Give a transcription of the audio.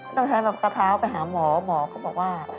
ต้องใช้แบบกระเท้าไปหาหมอหมอก็บอกว่า